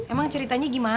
emang ceritanya gimana